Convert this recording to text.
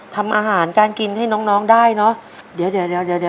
ทำอาหารการกินให้น้องได้เนาะ